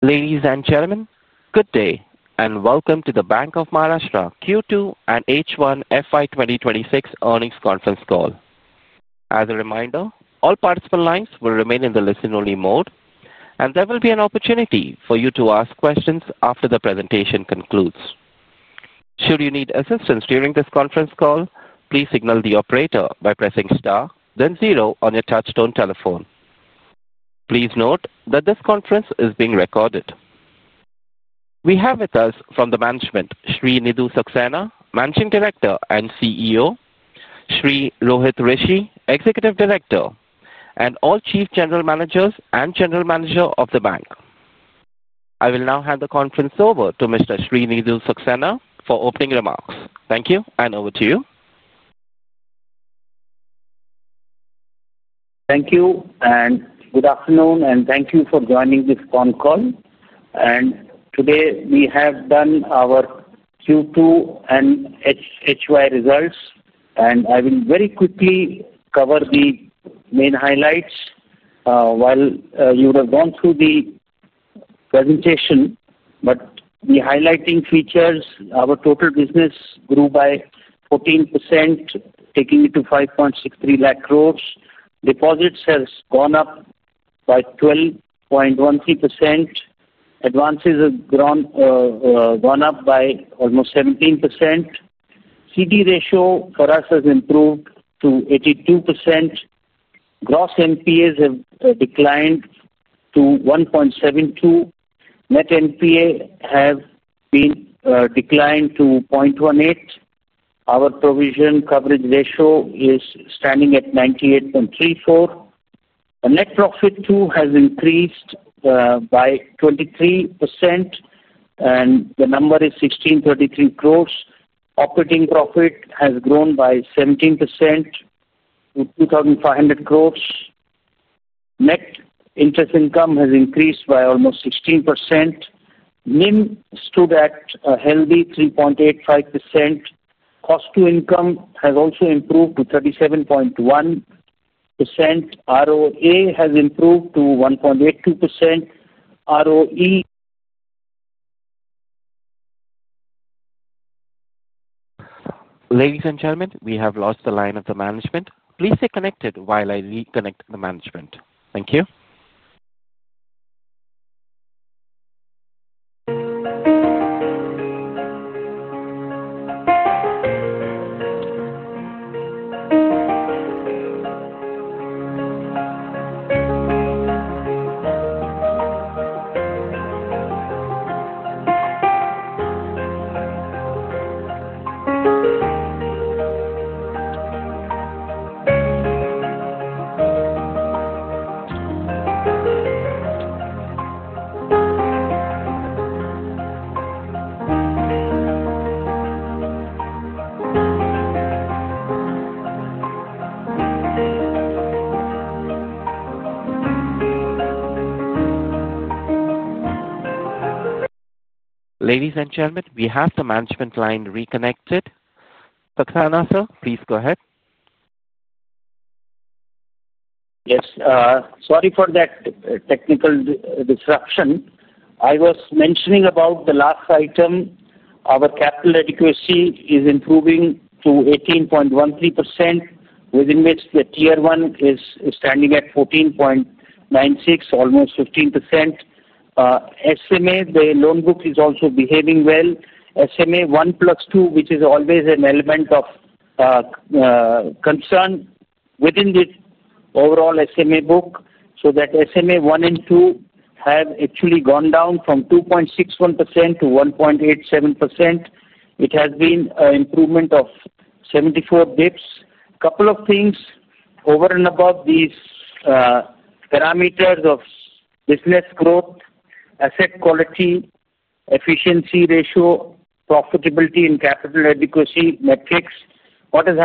Ladies and gentlemen, good day and welcome to the Bank of Maharashtra Q2 and H1 FY2026 earnings conference call. As a reminder, all participant lines will remain in the listen-only mode. There will be an opportunity for you to ask questions after the presentation concludes. Should you need assistance during this conference call, please signal the operator by pressing star then zero on your touch-tone telephone. Please note that this conference is being recorded. We have with us from the management Sri Nidhu Saxena, Managing Director and CEO, Sri Rohit Rishi, Executive Director, and all Chief General Managers and General Manager of the bank. I will now hand the conference over to Mr. Sri Nidhu Saxena for opening remarks. Thank you and over to you. Thank you and good afternoon and thank you for joining this on call. Today we have done our Q2 and HY results. I will very quickly cover the main highlights while you have gone through the presentation. The highlighting features: our total business grew by 14%, taking it to 5.63 lakh crore. Deposits have gone up by 12.13%. Advances have gone up by almost 17%. CD ratio for us has improved to 82%. Gross NPAs have declined to 1.72%. Net NPAs have declined to 0.18%. Our provision coverage ratio is standing at 98.34%. Net profit too has increased by 23% and the number is 1,633 crore. Operating profit has grown by 17% to 2,500 crore. Net interest income has increased by almost 16%. NIM stood at a healthy 3.85%. Cost-to-income has also improved to 37.1%. ROE has improved to 1.82% ROE. Ladies and gentlemen, we have lost the line of the management. Please stay connected while I reconnect the management. Thank you. Ladies and gentlemen, we have the management line reconnected. Nidhu Saxena sir, please go ahead. Yes. Sorry for that technical disruption. I was mentioning about the last item. Our capital adequacy is improving to 18.13%, within which the Tier 1 is standing at 14.96%, almost 15%. The loan book is also behaving well. SMA 1 plus 2, which is always an element of concern within the overall SMA book, have actually gone down from 2.61% to 1.87%. It has been an improvement of 74 bps. Couple of things over and above these parameters of business growth, asset quality, efficiency ratio, profitability, and capital adequacy metrics. I would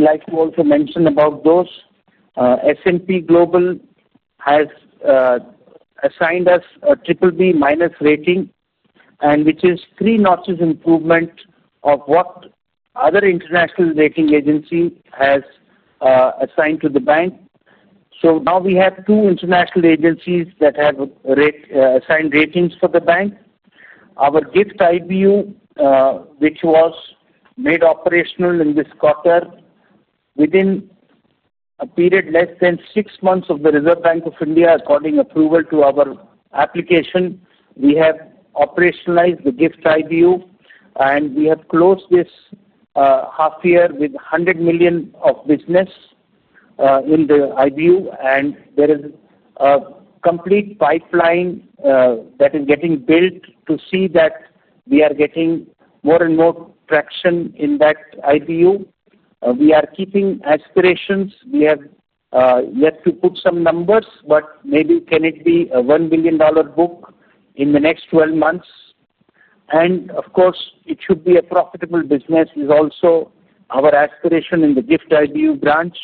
like to also mention that S&P Global has assigned us a BBB- rating, which is a 3-notch improvement over what another international rating agency has assigned to the bank. Now we have two international agencies that have assigned ratings for the bank. Our GIFT IBU, which was made operational in this quarter within a period less than six months of the Reserve Bank of India according approval to our application, we have operationalized the GIFT IBU. We have closed this half year with $100 million of business in the IBU, and there is a complete pipeline that is getting built to see that we are getting more and more traction in that IBU. We are keeping aspirations. We have yet to put some numbers, but maybe can it be a $1 billion book in the next 12 months. Of course, it should be a profitable business, which is also our aspiration in the GIFT IBU branch.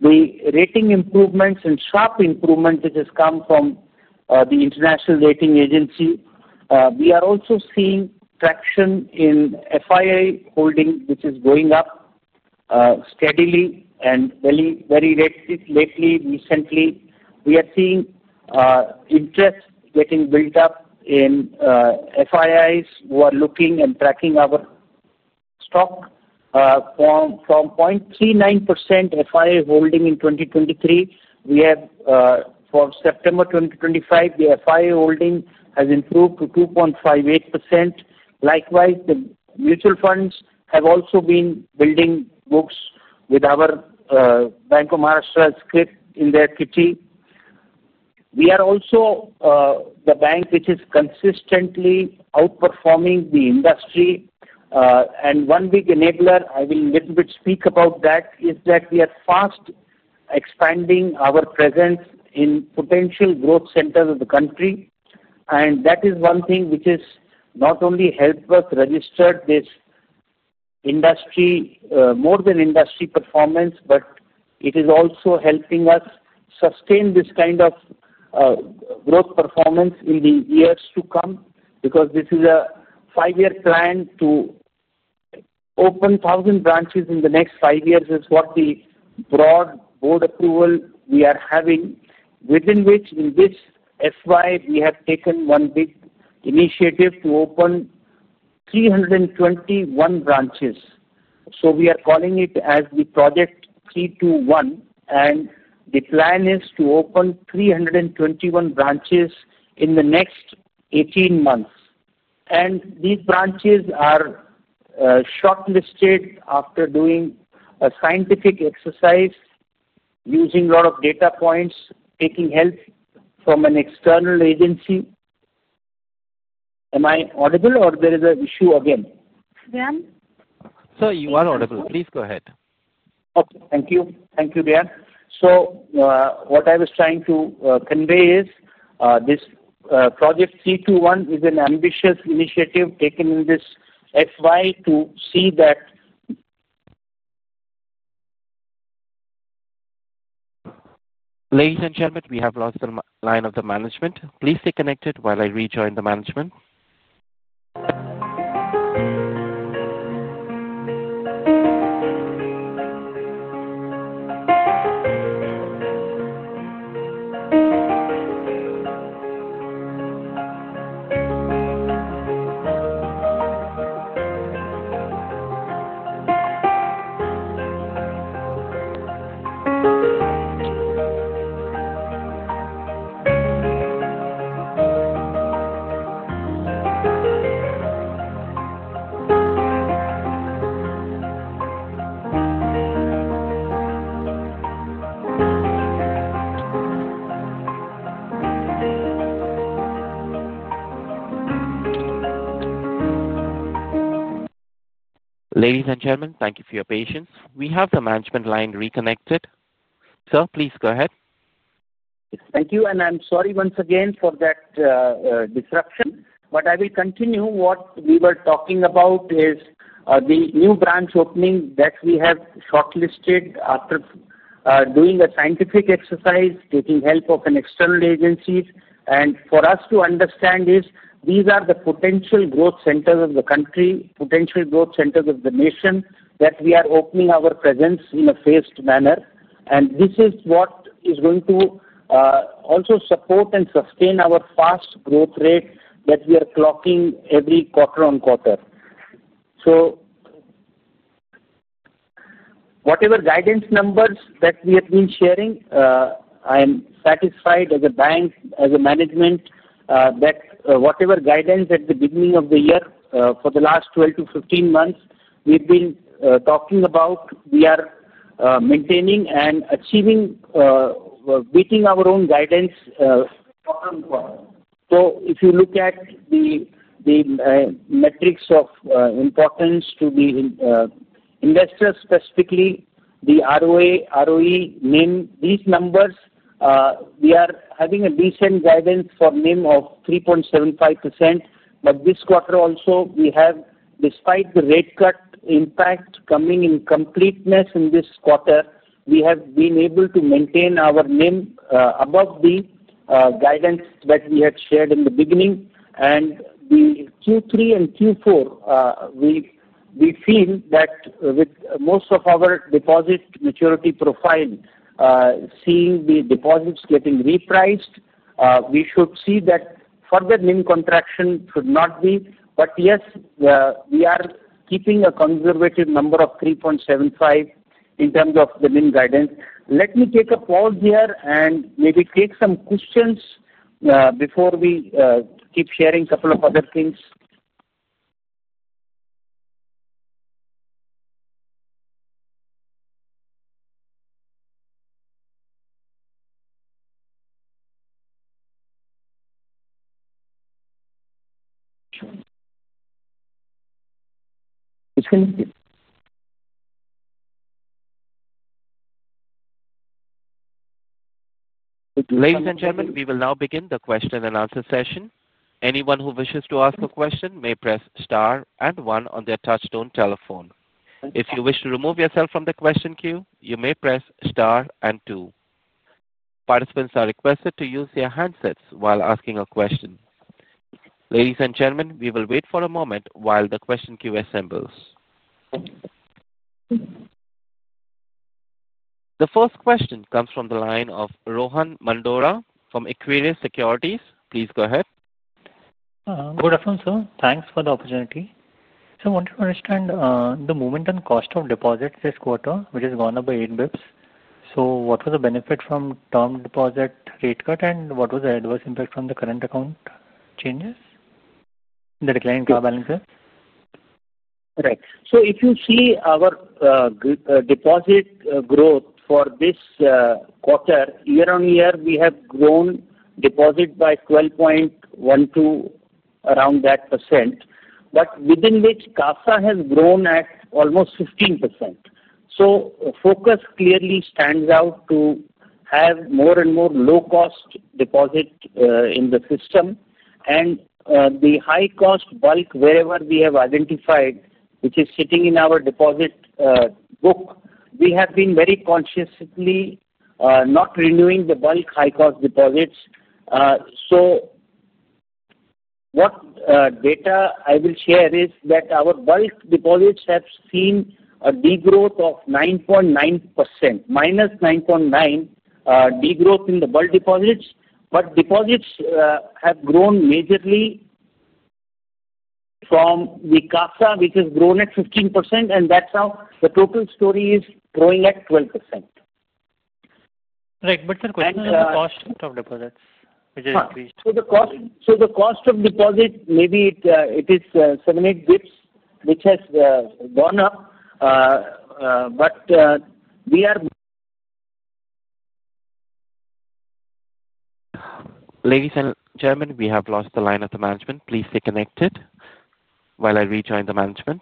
The rating improvements and sharp improvement which has come from the international rating agency. We are also seeing traction in FII holding, which is going up steadily and very lately. Recently, we are seeing interest getting built up in FIIs who are looking and tracking our stock. From 0.39% FII holding in 2023, we have for September 2025 the FII holding has improved to 2.58%. Likewise, the mutual funds have also been building books with our Bank of Maharashtra script in their kitchen. We are also the bank which is consistently outperforming the industry. One big enabler I will speak about is that we are fast expanding our presence in potential growth centers of the country. That is one thing which has not only helped us register this more than industry performance, but it is also helping us sustain this kind of growth performance in the years to come. Because this is a five year plan to open 1,000 branches in the next five years, is what the broad board approval we are having, within which in this FY we have taken one big initiative to open 321 branches. We are calling it Project 321. The plan is to open 321 branches in the next 18 months. These branches are shortlisted after doing a scientific exercise using a lot of data points, taking help from an external agency. Am I audible or is there an issue again? Sir, you are audible. Please go ahead. Thank you. Thank you, Diane. What I was trying to convey is this Project 321 is an ambitious initiative taken in this FY to see that. Ladies and gentlemen, we have lost the line of the management. Please stay connected while I rejoin the management. Sam. Ladies and gentlemen, thank you for your patience. We have the management line reconnected, sir. Please go ahead. Thank you and I'm sorry once again for that disruption, but I will continue. What we were talking about is the new branch opening that we have shortlisted after doing a scientific exercise, taking help of an external agency for us to understand these are the potential growth centers of the country, potential growth centers of the nation, that we are opening our presence in a phased manner. This is what is going to also support and sustain our fast growth rate that we are clocking every quarter on quarter. So. Whatever guidance numbers that we have been sharing, I am satisfied as a bank, as a management, that whatever guidance at the beginning of the year for the last 12 to 15 months we've been talking about, we are maintaining and achieving meeting our own guidance. If you look at the metrics of importance to the investors, specifically the ROA, ROE, NIM, these numbers we are having a decent guidance for NIM of 3.75%. This quarter also we have, despite the rate cut impact coming in completeness in this quarter, we have been able to maintain our NIM above the guidance that we had shared in the beginning and the Q3 and Q4. We feel that with most of our deposit maturity profile seeing the deposits getting repriced, we should see that further NIM contraction should not be. We are keeping a conservative number of 3.75% in terms of the NIM guidance. Let me take a pause here and maybe take some questions before we keep sharing a couple of other things. Ladies and gentlemen, we will now begin the question and answer session. Anyone who wishes to ask a question may press STAR and one on their touchstone telephone. If you wish to remove yourself from the question queue, you may press STAR and two. Participants are requested to use their handsets while asking a question. Ladies and gentlemen, we will wait for a moment while the question queue assembles. The first question comes from the line of Rohan Mandora from Aquarius Securities. Please go ahead. Good afternoon sir. Thanks for the opportunity. I wanted to understand the movement and cost of deposits this quarter, which has gone up by 8 bps. What was the benefit from term deposit rate cut, and what was the adverse impact from the current account changes, the decline in car balances? Right. If you see our deposit growth for this quarter, year on year we have grown deposit by 12.12% around that, but within which CASA has grown at almost 15%. Focus clearly stands out to have more and more low cost deposit in the system, and the high cost bulk wherever we have identified which is sitting in our deposit book, we have been very consciously not renewing the bulk high cost deposits. What data I will share is that our bulk deposits have seen a degrowth of 9.9%—9.9% degrowth in the bulk deposits. Deposits have grown majorly from the CASA which has grown at 15%, and that's how the total story is growing at 12%. Right. Sir, question the cost of deposits. The cost of deposit, maybe it is 7.8 bps which has gone up, but we are. Ladies and gentlemen, we have lost the line of the management. Please stay connected while I rejoin the management.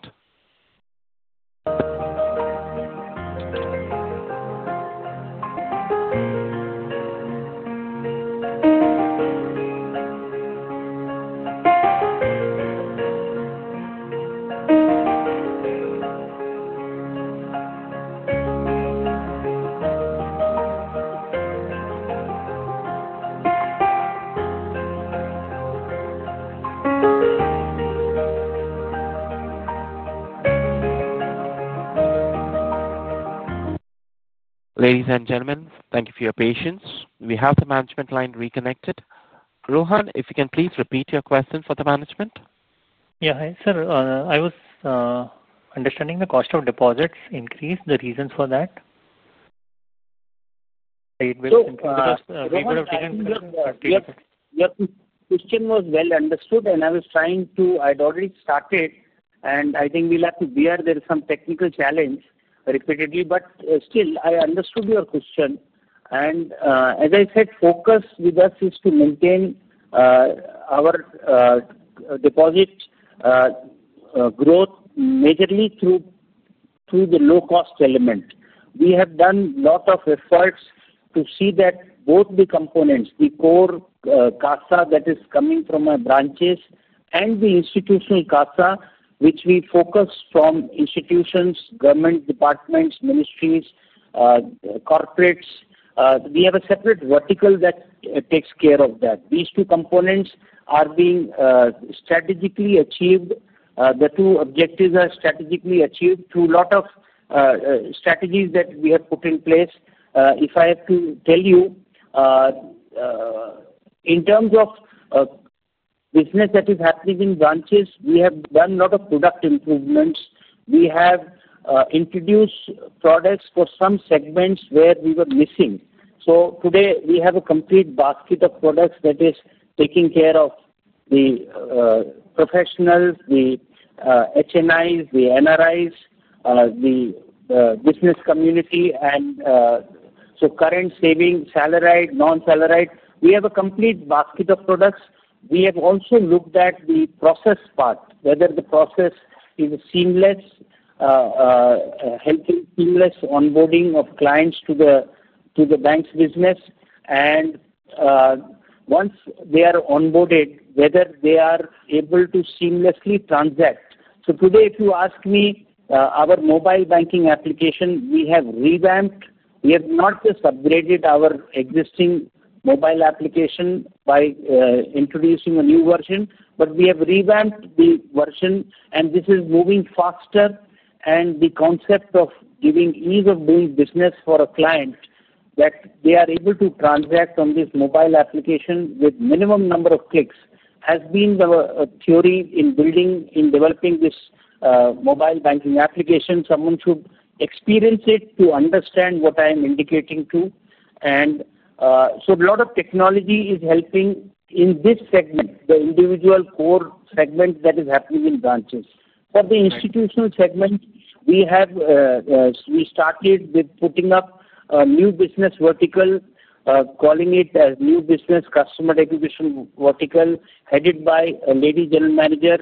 Ladies and gentlemen, thank you for your patience. We have the management line reconnected. Rohan, if you can please repeat your question for the management. Yeah, hi sir, I was understanding the cost of deposits increase. The reasons for that. The question was well understood. I was trying to, I'd already started. I think we'll have to bear there is some technical challenge repeatedly, but still I understood your question. As I said, focus with us is to maintain our deposit growth majorly through the low cost element. We have done a lot of efforts to see that both the components, the core CASA that is coming from our branches and the institutional CASA which we focus from institutions, government departments, ministries, corporates, we have a separate vertical that takes care of that. These two components are being strategically achieved. The two objectives are strategically achieved through a lot of strategies that we have put in place. If I have to tell you. In. terms of business that is happening in branches, we have done a lot of product improvements. We have introduced products for some segments where we were missing. Today we have a complete basket of products that is taking care of the professionals, the HNIs, the NRIs, the business community, and so current saving salaried, non-salaried, we have a complete basket of products. We have also looked at the process part, whether the process is seamless, seamless onboarding of clients to the bank's business, and once they are onboarded, whether they are able to seamlessly transact. Today if you ask me, our mobile banking application we have revamped. We have not just upgraded our existing mobile application by introducing a new version, but we have revamped the version and this is moving faster. The concept of giving ease of doing business for a client, that they are able to transact on this mobile application with minimum number of clicks, has been the theory in building, in developing this mobile banking application. Someone should experience it to understand what I am indicating to. A lot of technology is helping in this segment, the individual core segment that is happening in branches. For the institutional segment, we have started with putting up a new business vertical, calling it as new business customer acquisition vertical headed by a Lady General Manager,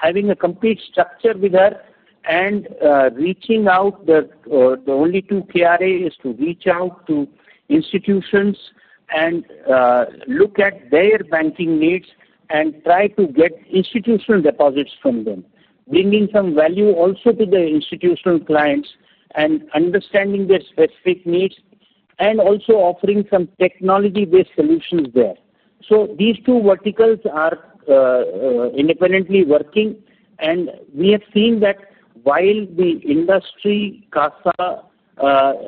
having a complete structure with her and reaching out. The only two KRA is to reach out to institutions and look at their banking needs and try to get institutional deposits from them, bringing some value also to the institutional clients and understanding their specific needs and also offering some technology-based solutions there. These two verticals are independently working. We have seen that while the industry CASA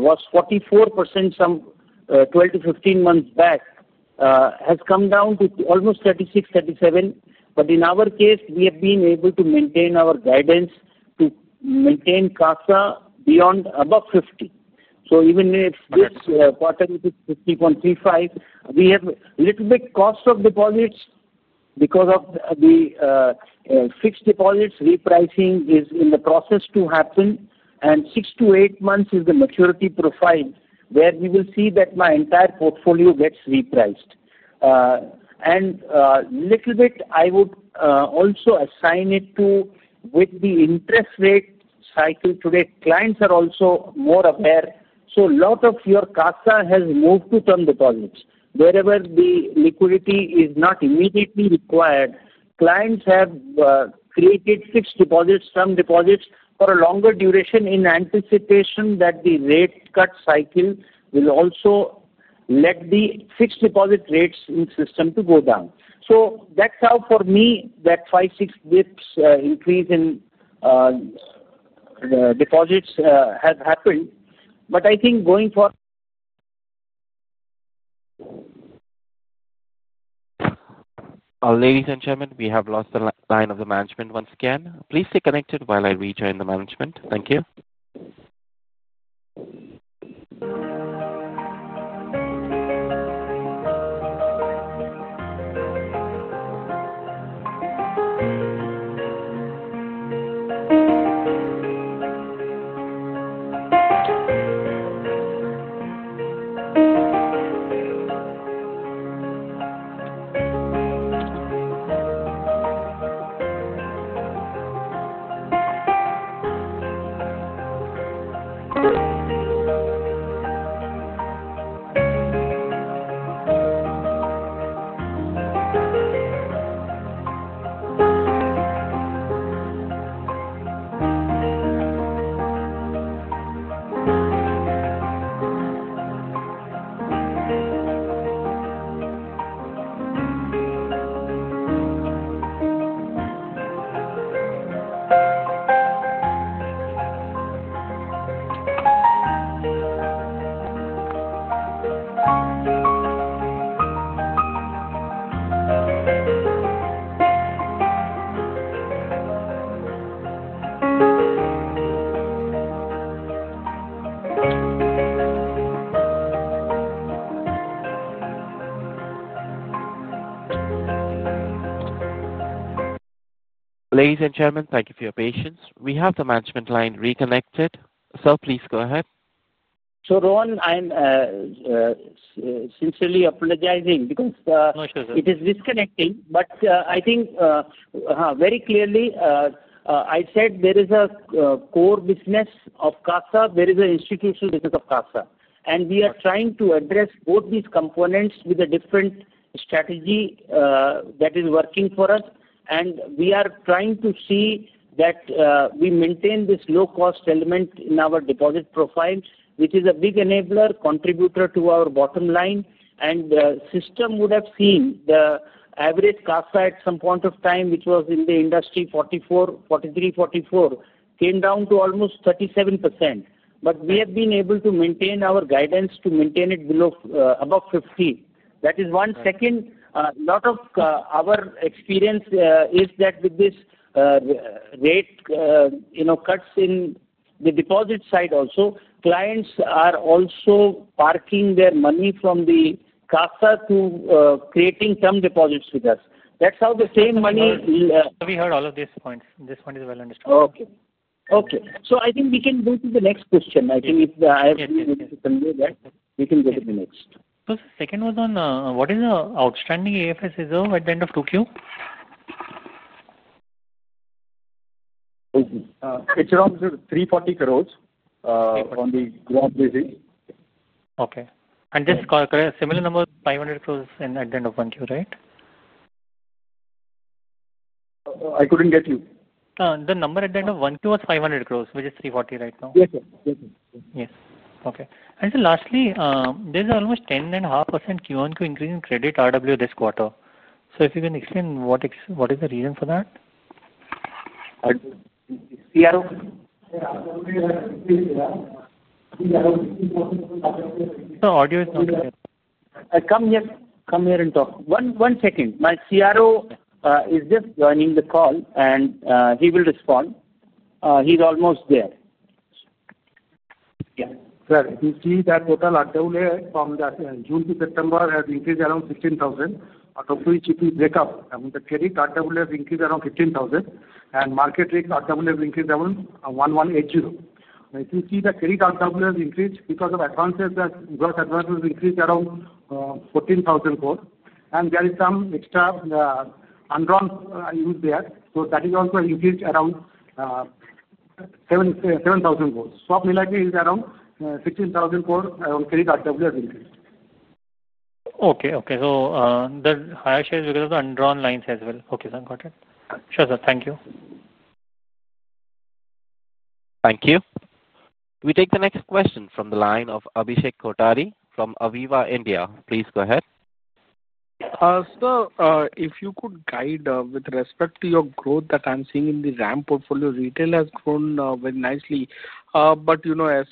was 44% some 12 to 15 months back, it has come down to almost 36, 37%. In our case, we have been able to maintain our guidance to maintain CASA above 50%. Even if this quarter 50.35%, we have a little bit cost of deposits because of the fixed deposits repricing is in the process to happen and six to eight months is the maturity profile where we will see that my entire portfolio gets repriced and a little bit I would also assign it to the interest rate cycle. Today clients are also more aware. A lot of your CASA has moved to term deposits wherever the liquidity is not immediately required. Clients have created fixed deposits, some deposits for a longer duration in anticipation that the rate cut cycle will also let the fixed deposit rates in system go down. That is how for me that 5, 6 bps increase in deposits has happened. I think going forward. Ladies and gentlemen, we have lost the line of the management once again. Please stay connected while I rejoin the management. Thank you, ladies and gentlemen, thank you for your patience. We have the management line reconnected, so please go ahead. Rohan, I'm sincerely apologizing because it is disconnecting. I think very clearly I said there is a core business of CASA, there is an institutional business of CASA. We are trying to address both these components with a different strategy that is working for us. We are trying to see that we maintain this low cost element in our deposit profile, which is a big enabler, contributor to our bottom line. The system would have seen the average CASA at some point of time, which was in the industry 44%, 43%, 44% came down to almost 37%. We have been able to maintain our guidance to maintain it above 50%. That is one. Second, a lot of our experience is that with this rate, you know, cuts in the deposit side, also clients are also parking their money from the CASA to creating term deposits with us. That's how the same money. We heard all of these points. This one is well understood. Okay. Okay. I think we can go to the next question. I think if I can go to the next, second was on what is. The outstanding AFS reserve at the end. Of 2Q, it's around 340 crore on the ground basis. Okay. This similar number is 500 crore at the end of 1Q, right. I couldn't get you. The number at the end of 1Q was 500 crore, which is 340 crore right now. Yes sir. Yes. Okay. There's almost a 10.5% Q1Q increase in credit RW this quarter. If you can explain what is the reason for that. Come here and talk. One second. My CRO is just joining the call and he will respond. He's almost there. Yeah. Sir, if you see that total RWA from June to September has increased around 16,000 crore. Out of which, if we break up, the credit RWA has increased around 15,000 crore and market risk RWA has increased around 1,180 crore. If you see, the credit RWA has increased because of advances, that gross advances increased around 14,000 crore and there is some extra undrawn used there. That is also increased around 7,700 crore. Gold swap Miladi is around 16,400 crore. Okay. Okay. The higher share is because of the undrawn lines as well. Okay, sir. Got it. Sure, sir. Thank you. Thank you. We take the next question from the line of Abhishek Kotari from Aviva India. Please go ahead. Sir, if you could guide with respect to your growth that I'm seeing in the RAM portfolio. Retail has grown very nicely. You know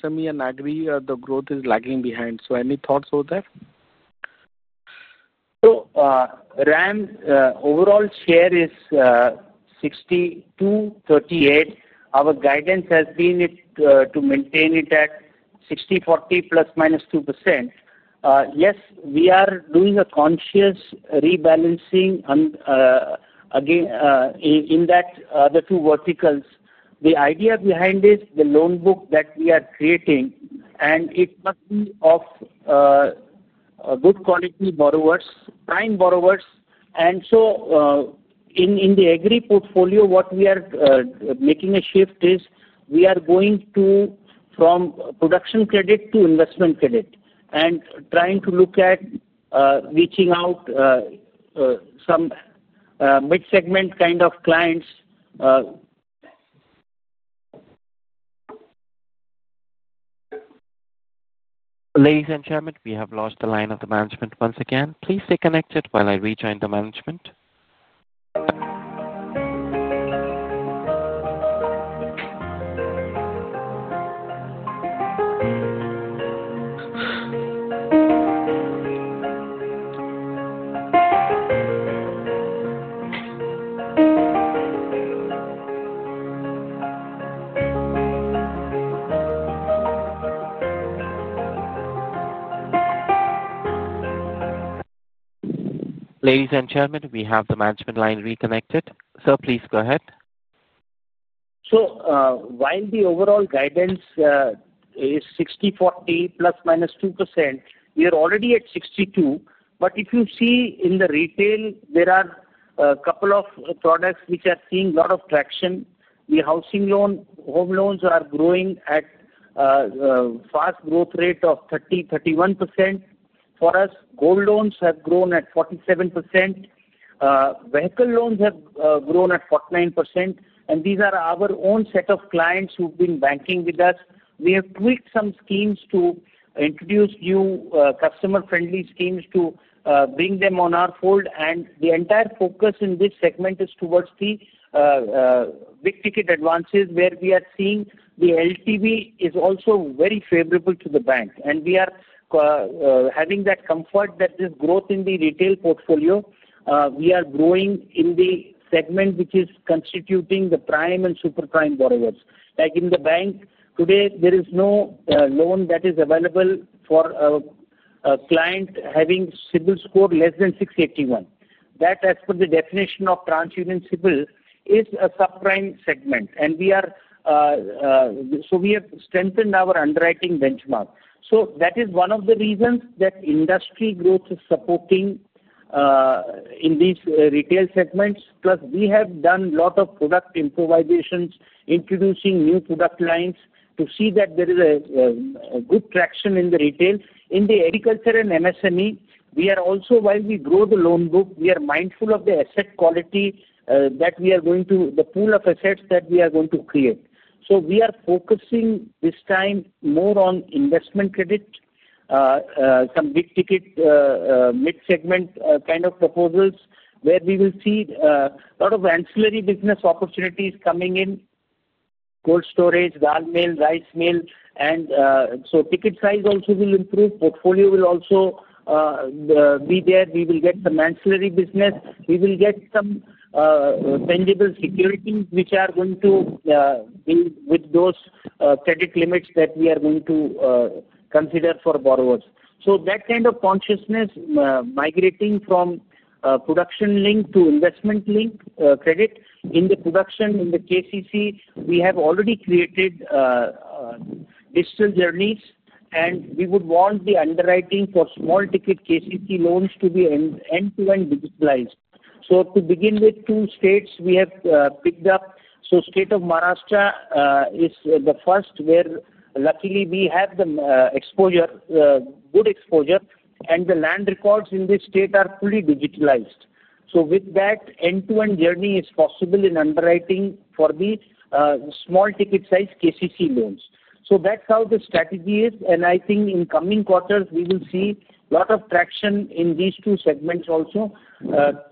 SME and agri, the growth is lagging behind. Any thoughts over there? RAM overall share is 62:38. Our guidance has been to maintain it at 60:40 plus minus 2%. Yes, we are doing a conscious rebalancing in the two verticals. The idea behind it is the loan book that we are creating must be of good quality. Borrowers, prime borrowers. In the agri portfolio, what we are making a shift is we are going from production credit to investment credit and trying to look at reaching out to some mid-segment kind of clients. Ladies and gentlemen, we have lost the line of the management once again. Please stay connected while I rejoin the management. Sam. Ladies and gentlemen, we have the management line reconnected. Sir, please go ahead. While the overall guidance is 60-40 plus minus 2%, we are already at 62%. If you see in the retail, there are a couple of products which are seeing a lot of traction. The housing loan, home loans are growing at a fast growth rate of 30%, 31% for us. Gold loans have grown at 47%. Vehicle loans have grown at 49%. These are our own set of clients who have been banking with us. We have tweaked some schemes to introduce new customer-friendly schemes to bring them on our fold. The entire focus in this segment is towards the big ticket advances where we are seeing the LTV is also very favorable to the bank. We are having that comfort that this growth in the retail portfolio, we are growing in the segment which is constituting the prime and super prime borrowers. Like in the bank today, there is no loan that is available for a client having CIBIL score less than 681. That, as per the definition of TransUnion CIBIL, is a subprime segment. We have strengthened our underwriting benchmark. That is one of the reasons that industry growth is supporting in these retail segments. Plus, we have done a lot of product improvisations, introducing new product lines to see that there is good traction in the retail, in the agriculture, and MSME. While we grow the loan book, we are mindful of the asset quality that we are going to the pool of assets that we are going to create. We are focusing this time more on investment credit, some big ticket mid-segment kind of proposals where we will see a lot of ancillary business opportunities coming in—cold storage, dal mill, rice mill. Ticket size also will improve, portfolio will also, we will get some ancillary business. We will get some tangible security which are going to be with those credit limits that we are going to consider for borrowers. That kind of consciousness, migrating from production link to investment link credit in the production, in the KCC, we have already created digital journeys. We would want the underwriting for small ticket KCC loans to be end-to-end digitalized. To begin with, two states we have picked up. State of Maharashtra is the first, where luckily we have the exposure, good exposure, and the land records in this state are fully digitalized. With that, end-to-end journey is possible in underwriting for the small ticket size KCC loans. That's how the strategy is. I think in coming quarters, we will see a lot of traction in these two segments also.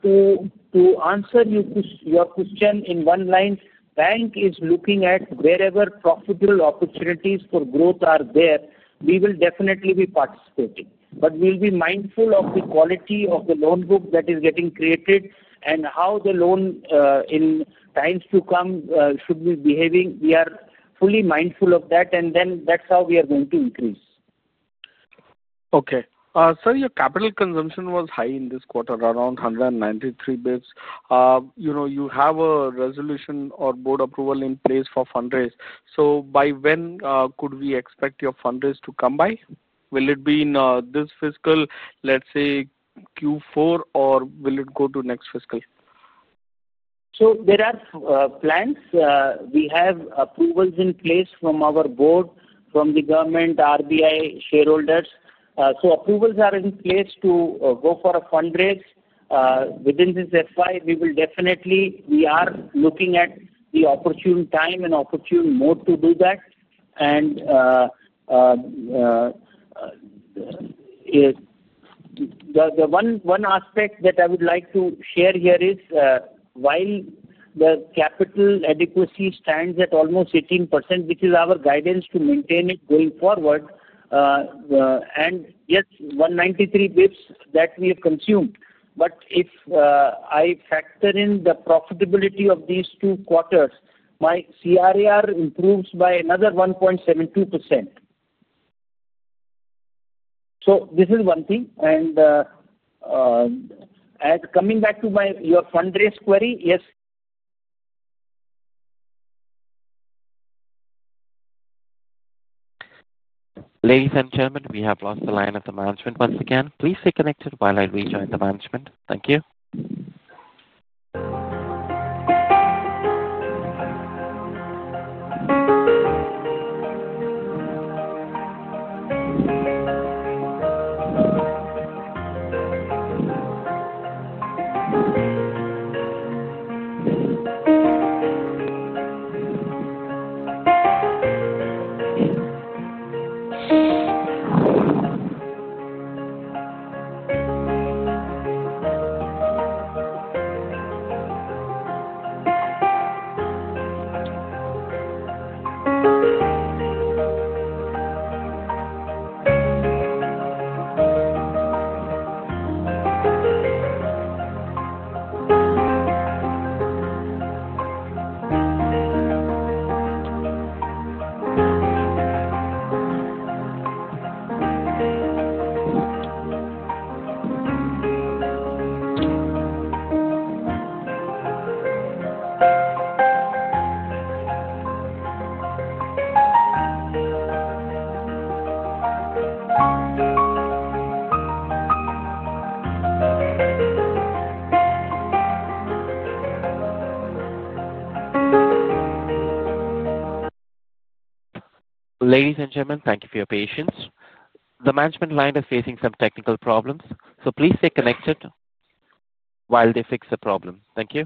To answer your question, in one line, Bank of Maharashtra is looking at wherever profitable opportunities for growth are there. We will definitely be participating. We will be mindful of the quality of the loan book that is getting created and how the loan in times to come should be behaving. We are fully mindful of that and that's how we are going to increase. Your capital consumption was high in this quarter, around 193 bps. You have a resolution or board approval in place for fundraise. By when could we expect your fundraise to come by? Will it be this fiscal, let's say Q4, or will it go to next fiscal? There are plans, we have approvals in place from our board, from the government, RBI, shareholders. Approvals are in place to go for a fundraise within this FY. We are definitely looking at the opportune time and opportune mode to do that. The one aspect that I would like to share here is while the capital adequacy stands at almost 18%, which is our guidance to maintain it going forward. Yes, 193 bps that we have consumed. If I factor in the profitability of these two quarters, my CRAR improves by another 1.72%. This is one thing. Coming back to your fundraise query, yes. Ladies and gentlemen, we have lost the line of the management once again. Please stay connected while I rejoin the management. Thank you, ladies and gentlemen, thank you for your patience. The management line is facing some technical problems. Please stay connected while they fix the problem. Thank you.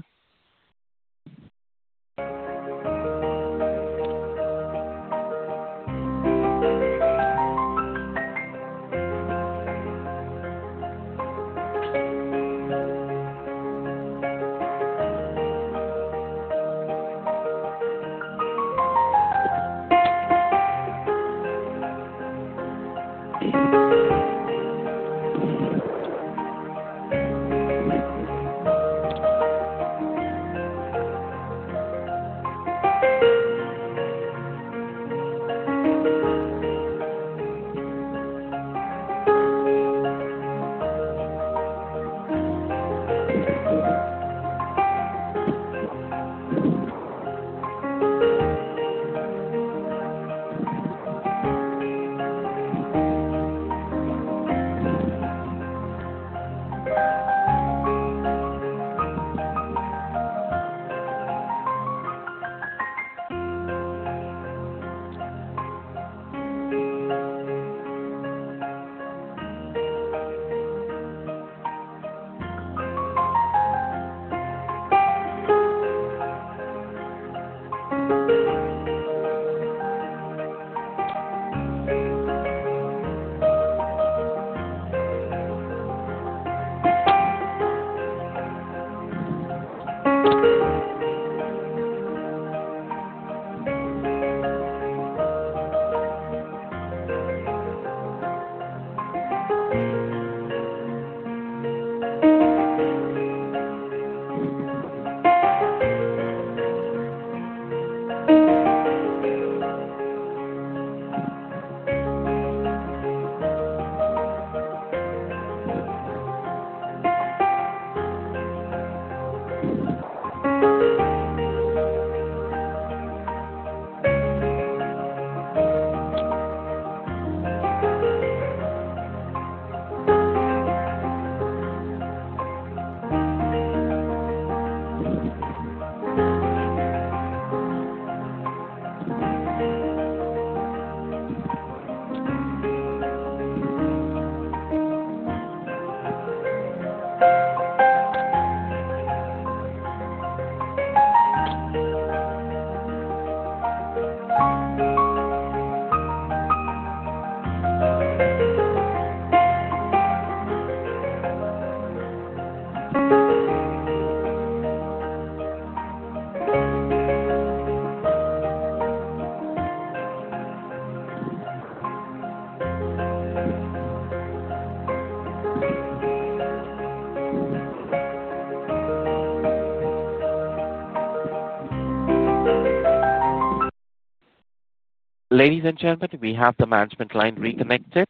Sam. Ladies and gentlemen, we have the management line reconnected.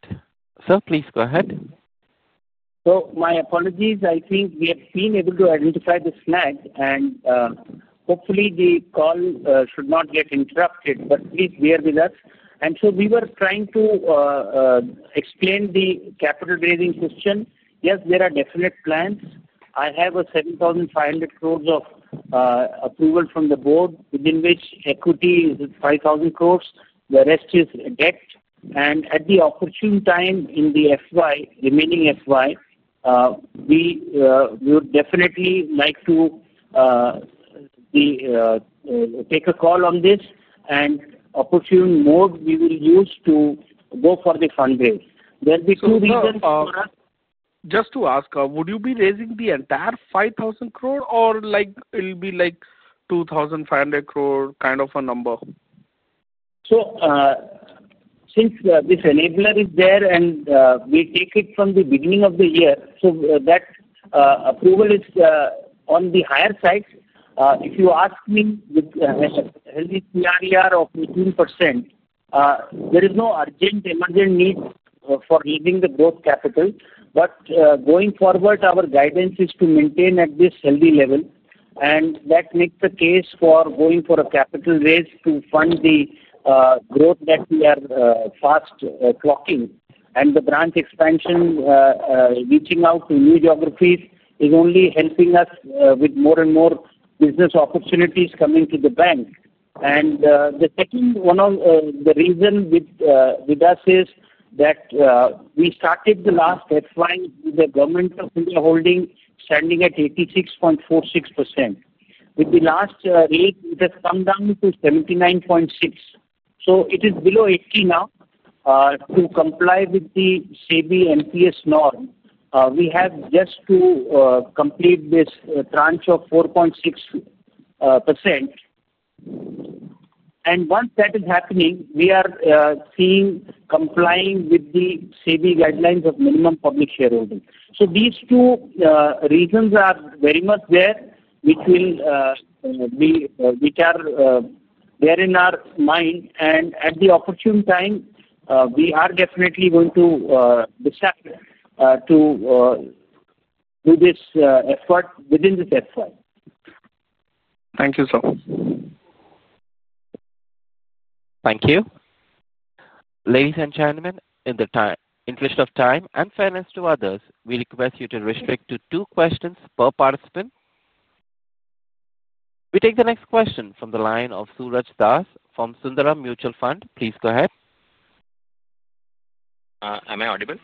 Sir, please go ahead. My apologies. I think we have been able to identify the snag and hopefully the call should not get interrupted, but please bear with us. We were trying to explain the capital raising question. Yes, there are definite plans. I have 7,500 crore of approval from the board, within which equity is 5,000 crore. The rest is debt. At the opportune time in the remaining FY, we would definitely like to take a call on this, and the opportune mode we will use to go for the fundraiser. Just to ask, would you be raising the entire 5,000 crore, or will it be like 2,500 crore kind of a number? Since this enabler is there and we take it from the beginning of the year, that approval is on the higher side. If you ask me, there is no urgent emergent need for using the growth capital, but going forward our guidance is to maintain at this healthy level, and that makes the case for going for a capital raise to fund the growth that we are fast clocking. The branch expansion, reaching out to new geographies, is only helping us with more and more business opportunities coming to the bank. One of the reasons with us is that we started the last FY with the Government of India holding standing at 86.46%. With the last rate, it has come down to 79.6%. It is below 80% now. To comply with the SEBI MPS norm, we have just to complete this tranche of 4.6%. Once that is happening, we are complying with the SEBI guidelines of minimum public shareholders. These two reasons are very much there in our mind, and at the opportune time we are definitely going to decide to do this effort within this effort. Thank you, sir. Thank you. Ladies and gentlemen, in the interest of time and fairness to others, we request you to restrict to two questions per participant. We take the next question from the line of Suraj Das from Sundaram Mutual Fund. Please go ahead. Am I audible?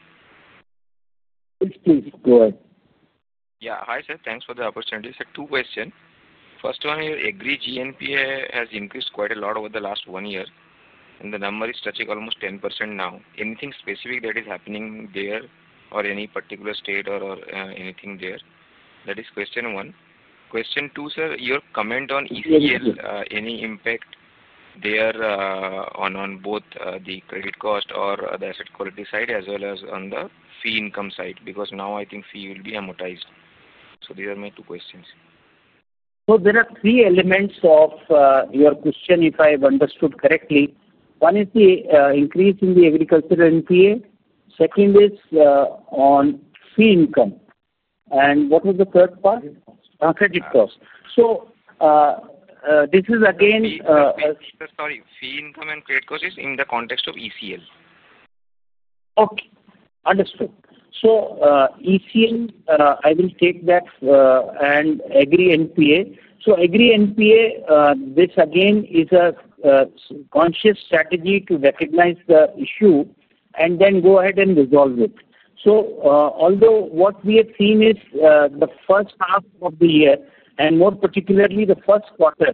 Yeah. Hi sir, thanks for the opportunity. Sir, two questions. First one is, agree GNPA has increased quite a lot over the last one year and the number is touching almost 10% now. Anything specific that is happening there? Any particular state or anything there? That is question one. Question two, sir, your comment on any impact there on both the credit cost or the asset quality side as well as on the fee income side. Because now I think fee will be amortized. These are my two questions. There are three elements of your question if I have understood correctly. One is the increase in the agricultural NPA. Second is on fee income. What was the third part? Credit cost. This is again, sorry, fee income. Credit cost is in the context of ECL. Okay, understood. ECL, I will take that and agree NPA. Agree NPA is again a conscious strategy to recognize the issue and then go ahead and resolve it. Although what we have seen is the first half of the year, and more particularly the first quarter,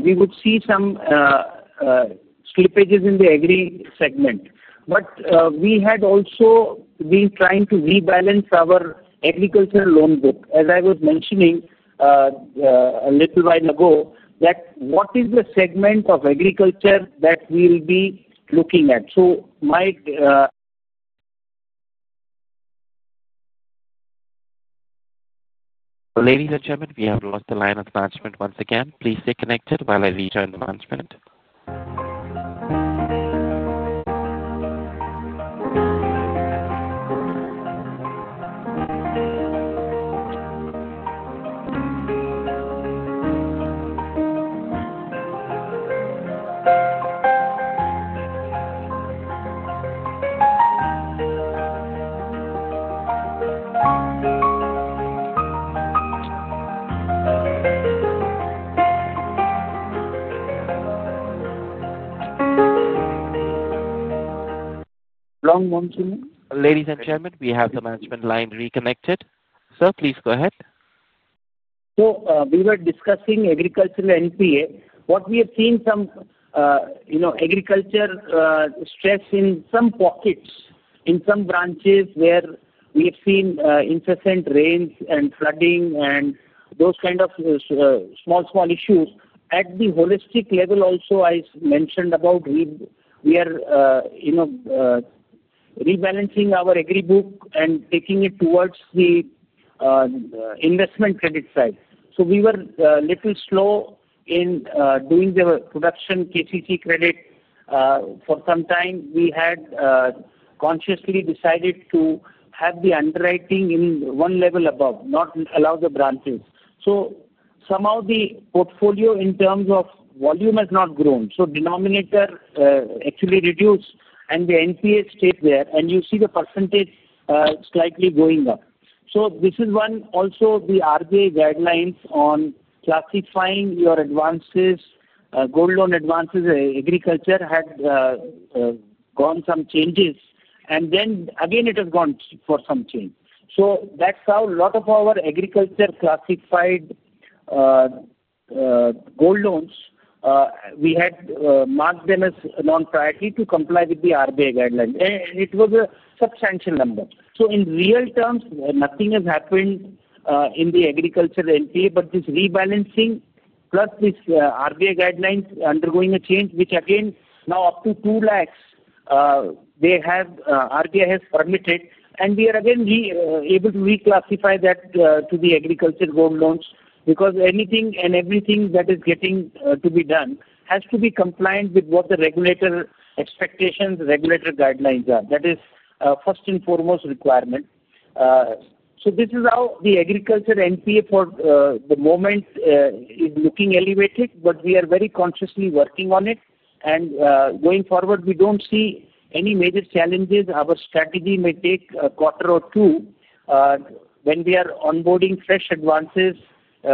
we would see some slippages in the agri segment. We had also been trying to rebalance our agricultural loan book. As I was mentioning a little while ago, what is the segment of agriculture that we will be looking at? Mike. Ladies and gentlemen, we have lost the line of management. Once again, please stay connected while I rejoin the management. Sa. Ladies and gentlemen, we have the management line reconnected. Sir, please go ahead. We were discussing agricultural NPA. What we have seen is some agriculture stress in some pockets in some branches where we have seen incessant rains and flooding and those kinds of small, small issues at the holistic level. Also, I mentioned about we are rebalancing our agri book and taking it towards the investment credit side. We were a little slow in doing the production KCC credit for some time. We had consciously decided to have the underwriting in one level above, not allow the branches. Somehow the portfolio in terms of volume has not grown, so the denominator actually reduced and the NPA stayed there and you see the percentage slightly going up. This is one. Also, the RBI guidelines on classifying your advances, gold loan advances, agriculture had gone through some changes and then again it has gone for something. That's how a lot of our agriculture classified gold loans, we had marked them as non-priority to comply with the RBI guideline and it was a substantial number. In real terms, nothing has happened in the agriculture NPA, but this rebalancing plus this RBI guidelines undergoing a change, which again now up to 200,000 they have, RBI has permitted, and we are again able to reclassify that to the agriculture gold loans. Because anything and everything that is getting to be done has to be compliant with what the regulator expectations, regulatory guidelines are. That is first and foremost requirement. This is how the agriculture NPA for the moment is looking elevated. But. We are very consciously working on it and going forward we don't see any major challenges. Our strategy may take a quarter or two when we are onboarding fresh advances,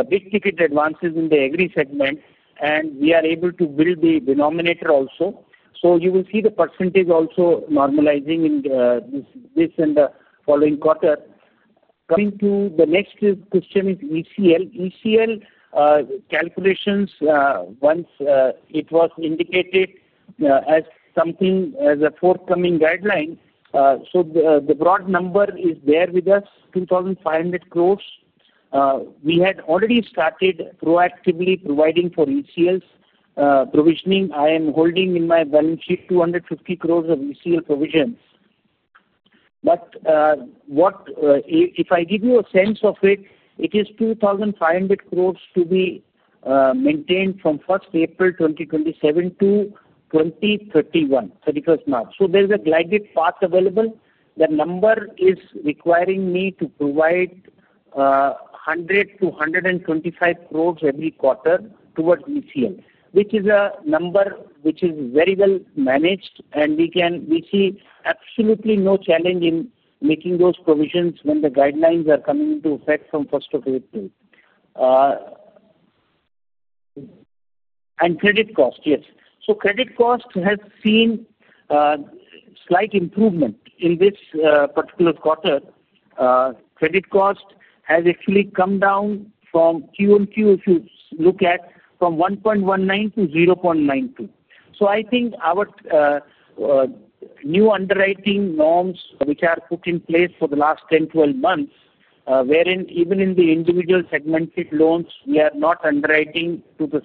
big ticket advances in the agri segment and we are able to build the denominator also. You will see the percentage also normalizing in this and the following quarter. Coming to the next ECL calculations, once it was indicated as something as a forthcoming guideline, the broad number is there with us, 2,500 crore. We had already started proactively providing for ECL provisions. I am holding in my balance sheet 250 crore of ECL provisions. If I give you a sense of it, it is 2,500 crore to be maintained from 1st April 2027 to 31st March 2031. There is a glided path available. The number is requiring me to provide 100 to 125 crore every quarter towards ECL, which is a number one which is very well managed. We see absolutely no challenge in making those provisions when the guidelines are coming into effect from 1st of April. Credit cost, yes, credit cost has seen slight improvement in this particular quarter. Credit cost has actually come down from Q-on-Q if you look at from 1.19% to 0.92%. I think our new underwriting norms which are put in place for the last 10-12 months, wherein even in the individual segmented loans we are not underwriting to the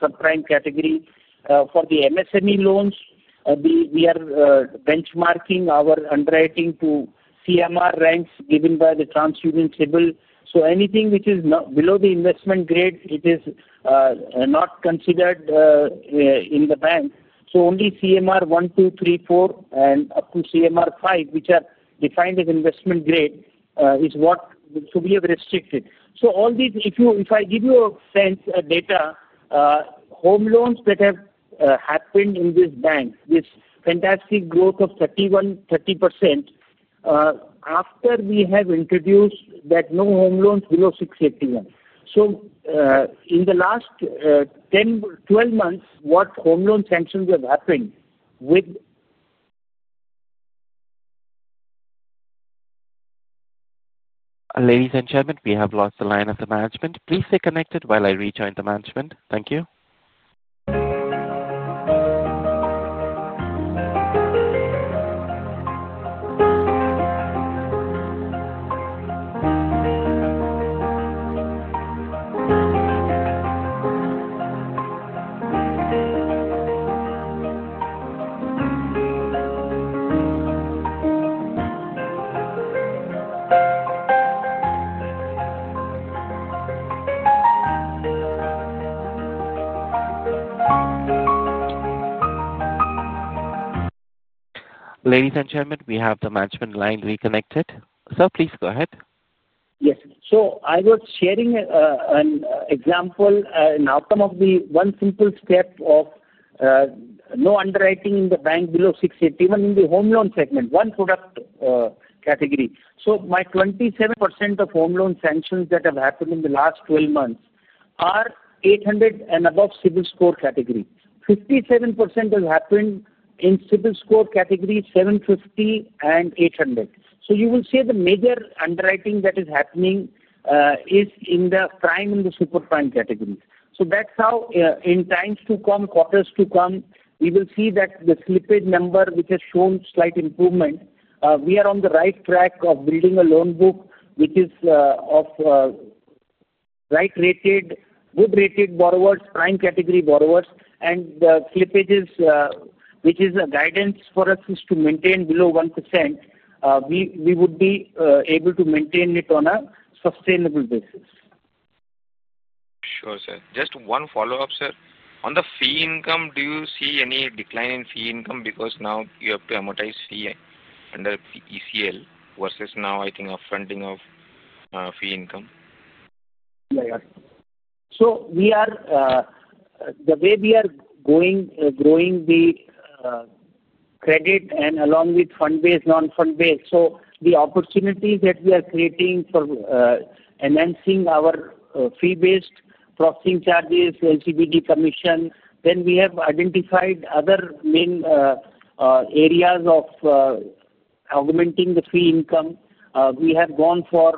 subprime category. For the MSME loans, we are benchmarking our underwriting to CMR ranks given by the TransUnion CIBIL. Anything which is below the investment grade is not considered in the bank. Only CMR 1, 2, 3, 4 and up to CMR 5, which are defined as investment grade, is what we have restricted. If I give you a sense of data, home loans that have happened in this bank, this fantastic growth of 31-30% after we have introduced that no home loans below 681. In the last 10-12 months, what home loan sanctions have happened with. Ladies and gentlemen, we have lost the line of the management. Please stay connected while I rejoin the management. Thank you. SA. Ladies and gentlemen, we have the management line reconnected. Sir, please go ahead. Yes, I was sharing an example. An outcome of the one simple step of no underwriting in the bank below 681 in the home loan segment, one product category. My 27% of home loan sanctions that have happened in the last 12 months are 800 and above CIBIL score category. 57% has happened in CIBIL score category 750 and 800. You will see the major underwriting that is happening is in the prime and the super prime category. In times to come, quarters to come, we will see that the slippage number, which has shown slight improvement, is on the right track of building a loan book which is of right rated, good rated borrowers, prime category borrowers. The slippages, which is a guidance for us, is to maintain below 1%. We would be able to maintain it on a sustainable basis. Sure, sir. Just one follow up, sir, on the fee income. Do you see any decline in fee income? Because now you have to amortize fee under ECL versus now I think a funding of fee income. We are the way we are going, growing the credit and along with fund based, non fund based. The opportunities that we are creating for enhancing our fee based processing charges, LCB commission. We have identified other main areas of augmenting the fee income. We have gone for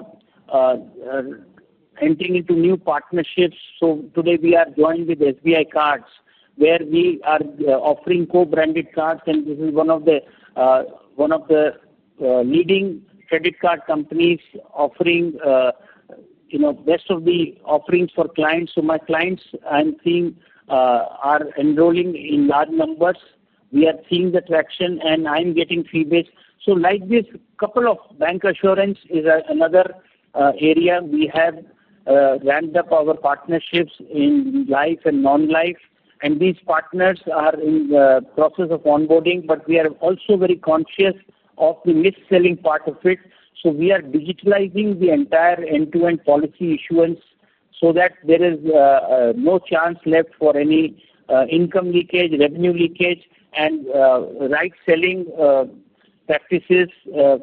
entering into new partnerships. Today we are joined with SBI Cards where we are offering co-branded cards. This is one of the leading credit card companies offering best of the offerings for clients. My clients I am seeing are enrolling in large numbers. We are seeing the traction and I am getting feebies. Like this, bank assurance is another area. We have ramped up our partnerships in life and non-life and these partners are in the process of onboarding. We are also very conscious of the mis-selling part of it. We are digitalizing the entire end-to-end policy issuance so that there is no chance left for any income leakage, revenue leakage and right selling practices.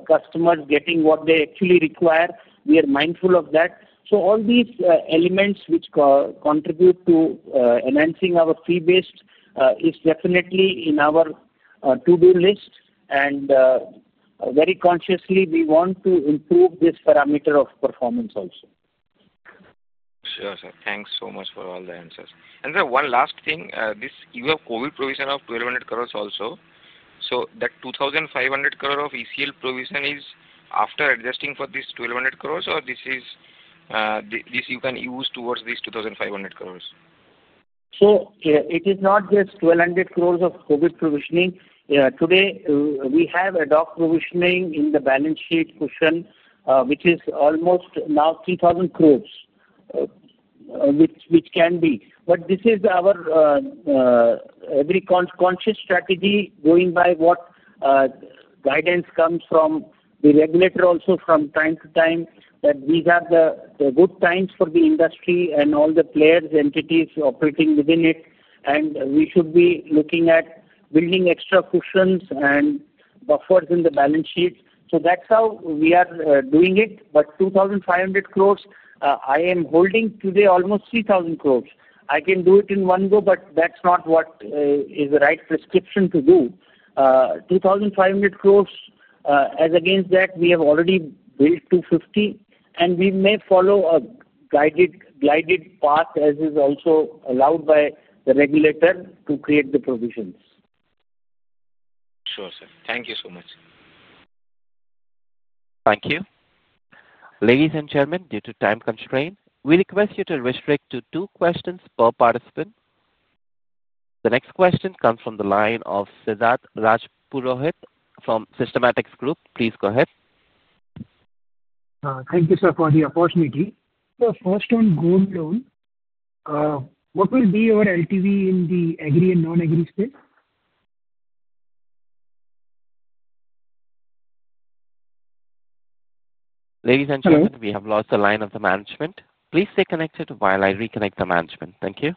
Customers getting what they actually require. We are mindful of that. All these elements which contribute to enhancing our fee based is definitely in our to do list. We very consciously want to improve this parameter of performance also. Thanks so much for all the answers. One last thing. You have Covid provision of 1,200 crore also. That 2,500 crore of ECL provisions is after adjusting for this 1,200 crore, or can you use this towards the 2,500 crore? It is not just 1,200 crore of COVID provisioning. Today we have enough provisioning in the balance sheet cushion, which is almost now 3,000 crore, which can be. This is our very conscious strategy, going by what guidance comes from the regulator also from time to time, that we have the good times for the industry and all the players, entities operating within it. We should be looking at building extra cushions and buffers in the balance sheets. That's how we are doing it. 2,500 crore, I am holding today almost 3,000 crore. I can do it in one go, but that's not what is the right prescription to do, 2,500 crore. As against that, we have already built 250 crore. We may follow a guided path, as is also allowed by the regulator, to create the provisions. Sure sir. Thank you so much. Thank you. Ladies and gentlemen, due to time constraint, we request you to restrict to two questions per participant. The next question comes from the line of Siddharth Rajpurohit from Systematics Group. Please go ahead. Thank you sir for the opportunity. First on gold loans, what will be your LTV in the agri and non-agri space? Ladies and gentlemen, we have lost the line of the management. Please stay connected while I reconnect the management. Thank you.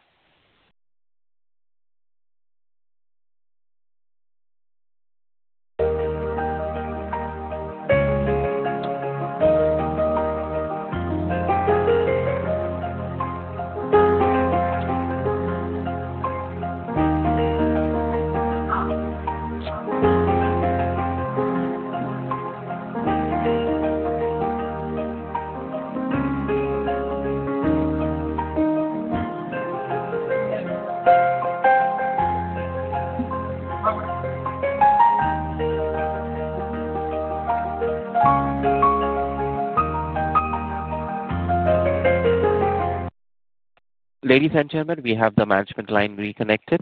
Sam. Ladies and gentlemen, we have the management line reconnected.